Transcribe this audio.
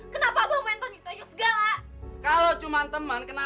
kenapa si abang juga gak pernah ngerti ngertiin aku